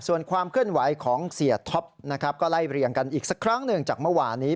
ส่วนความเคลื่อนไหวของเสียท็อปนะครับก็ไล่เรียงกันอีกสักครั้งหนึ่งจากเมื่อวานี้